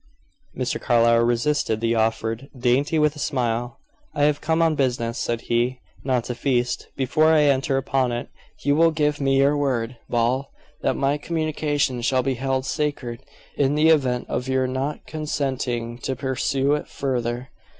Mr. Carlyle resisted the offered dainty with a smile. "I have come on business," said he, "not to feast. Before I enter upon it, you will give me your word, Ball, that my communication shall be held sacred, in the event of your not consenting to pursue it further."